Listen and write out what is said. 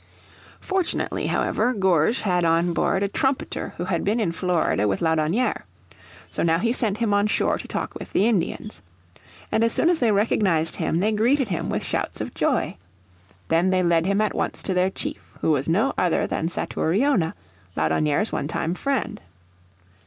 Fortunately, however, Gourges had on board a trumpeter who had been in Florida with Laudonnière. So now he sent him on shore to talk with the Indians. And as soon as they recognised him they greeted him with shouts of joy. Then they led him at once to their chief who was no other than Satouriona, Laudonnière's one time friend.